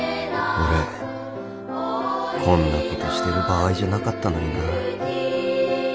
俺こんな事してる場合じゃなかったのにな